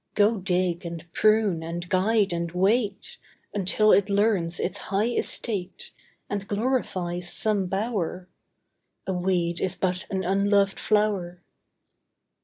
Go dig, and prune, and guide, and wait, Until it learns its high estate, And glorifies some bower. A weed is but an unloved flower!